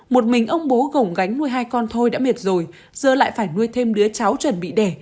một mình ông bố gồng gánh nuôi hai con thôi đã mệt rồi giờ lại phải nuôi thêm đứa cháu chuẩn bị đẻ